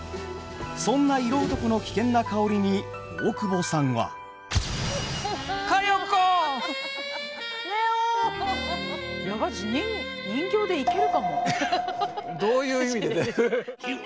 そんな色男の危険な香りに大久保さんは。どういう意味で？